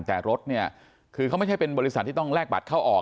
แต่รถเนี่ยคือเขาไม่ใช่เป็นบริษัทที่ต้องแลกบัตรเข้าออก